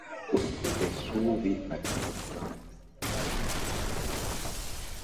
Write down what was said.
Essuubi kati abantu lubali mu mmwe.